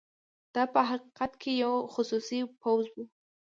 دا په حقیقت کې یو خصوصي پوځ وو.